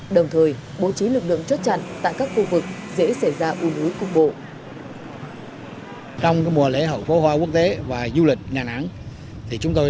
đồng thời bố trí lực lượng chốt chặn tại các khu vực dễ xảy ra u núi cung bộ